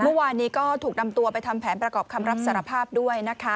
เมื่อวานนี้ก็ถูกนำตัวไปทำแผนประกอบคำรับสารภาพด้วยนะคะ